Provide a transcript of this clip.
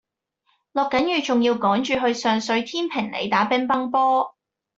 落緊雨仲要趕住去上水天平里打乒乓波